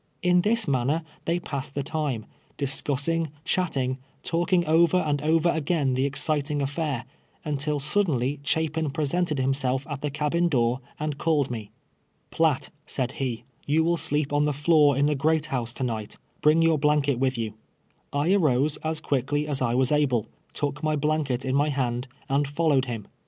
In this manner they passed the time, discus sing, chatting, talking over and over again the exci ting affair, until suddenly Chapin presented himself at the cabin door and called me. " Piatt," said he, " you will sleep on the floor in the great house to night ; bring your blanket with you." I arose as quickly as I was able, took my blanket in my hand, and followed him.